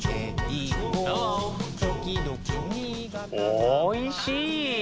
おいしい。